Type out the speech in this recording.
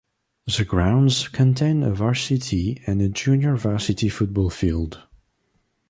The grounds contain a varsity and a junior varsity football field.